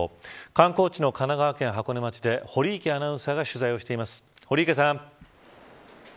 観光地の神奈川県箱根町で堀池アナウンサーが取材をしています。